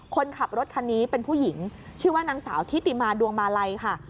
คนขับรถคันนี้เป็นผู้หญิงชื่อว่านางสาวทิติมาดวงมาลัยค่ะ